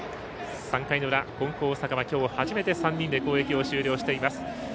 ３回の裏、金光大阪はきょう初めて３人で攻撃を終了しています。